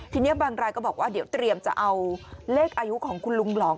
ทีนี้บางรายก็บอกว่าเดี๋ยวเตรียมจะเอาเลขอายุของคุณลุงหลอง